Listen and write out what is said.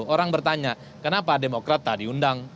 orang bertanya kenapa demokrat tak diundang